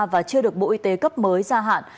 và chưa được bộ y tế cấp mới gia hạn